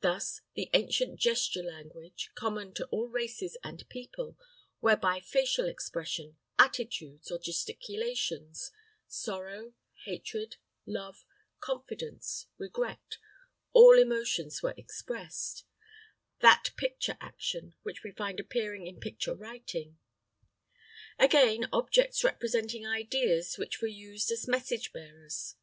Thus, the ancient gesture language, common to all races and people, whereby facial expression, attitudes or gesticulations, sorrow, hatred, love, confidence, regret, all emotions were expressed; that picture action which we find appearing in picture writing. Again, objects representing ideas which were used as message bearers.